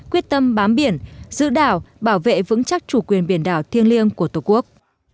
quyết tâm bám biển giữ đảo bảo vệ vững chắc chủ quyền biển đảo thiêng liêng của tổ quốc